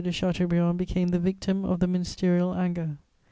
de Chateaubriand became the victim of the ministerial anger.